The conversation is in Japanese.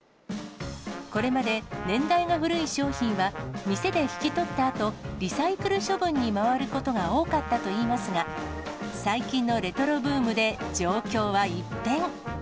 これまで年代が古い商品は、店で引き取ったあと、リサイクル処分に回ることが多かったといいますが、最近のレトロブームで状況は一変。